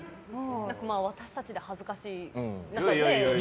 私たちで恥ずかしい。